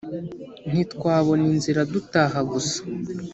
ntitwabona inzira dutaha gusa